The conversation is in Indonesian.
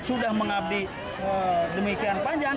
sudah mengabdi demikian panjang